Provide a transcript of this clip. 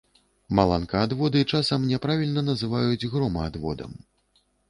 Маланкаадводы часам няправільна называюць громаадводам.